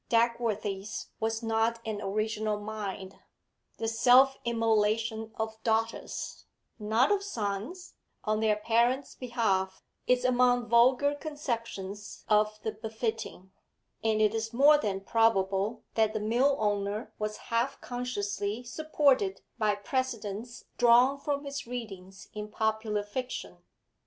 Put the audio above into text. Dagworthy's was not an original mind; the self immolation of daughters (not of sons) on their parents' behalf is among vulgar conceptions of the befitting, and it is more than probable that the mill owner was half consciously supported by precedents drawn from his readings in popular fiction.